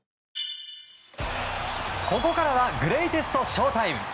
ここからはグレイテストＳＨＯ‐ＴＩＭＥ！